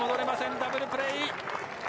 ダブルプレー。